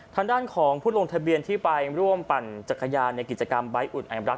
ทางด้านของผู้ลงทะเบียนที่ไปร่วมปั่นจักรยานในกิจกรรมใบ้อุ่นไอรัก